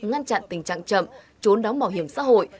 ngăn chặn tình trạng chậm trốn đóng bảo hiểm xã hội